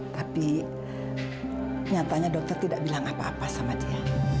tapi nyatanya dokter tidak bilang apa apa sama dia